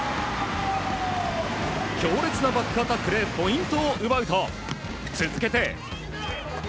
強烈なバックアタックでポイントを奪うと、続けて。